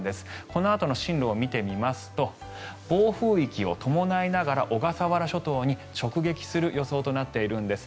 このあとの進路を見てみますと暴風域を伴いながら小笠原諸島に直撃する予想となっているんです。